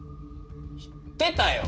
いってたよ！